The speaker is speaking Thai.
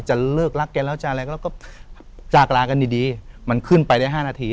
เลิกรักแกแล้วจะอะไรแล้วก็จากลากันดีมันขึ้นไปได้๕นาที